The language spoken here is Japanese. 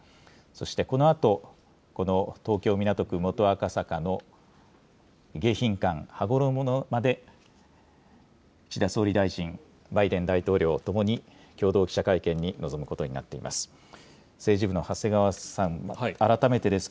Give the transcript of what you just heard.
そしてこのあと、この東京・港区元赤坂の迎賓館羽衣の間で、岸田総理大臣、バイデン大統領ともに、共同記者会見に臨むことになっています。